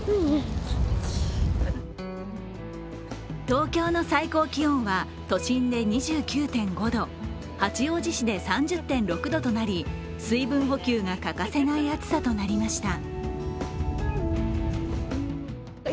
東京の最高気温は都心で２９．５度八王子市で３０．６度となり、水分補給が欠かせない暑さとなりました。